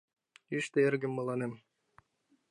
Ыште эргым мыланем.